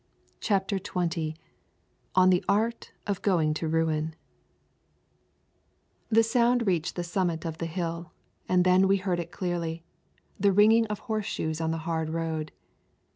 CHAPTER XX ON THE ART OF GOING TO RUIN The sound reached the summit of the hill, and then we heard it clearly, the ringing of horseshoes on the hard road.